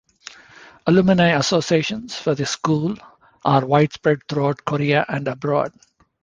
Alumni associations for the school are widespread throughout Korea and abroad.